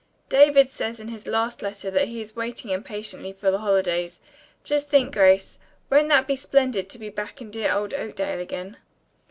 "David says in his last letter that he is waiting impatiently for the holidays. Just think, Grace, won't that be splendid to be back in dear old Oakdale again?"